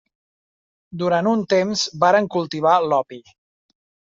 Durant un temps varen cultivar l'opi.